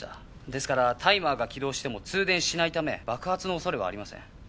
ですからタイマーが起動しても通電しないため爆発の恐れはありません。